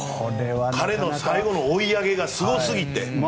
彼の最後の追い上げがすごすぎて。